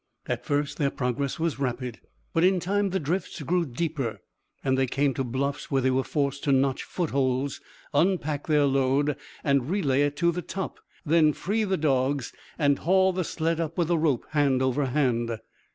At first their progress was rapid, but in time the drifts grew deeper, and they came to bluffs where they were forced to notch footholds, unpack their load and relay it to the top, then free the dogs, and haul the sled up with a rope, hand over hand.